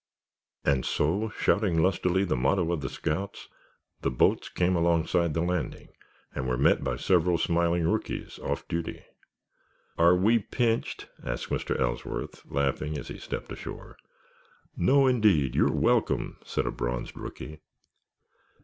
_" And so, shouting lustily the motto of the scouts the boats came alongside the landing and were met by several smiling rookies, off duty. "Are we pinched?" asked Mr. Ellsworth, laughing as he stepped ashore. "No, indeed; you're welcome," said a bronzed rookie.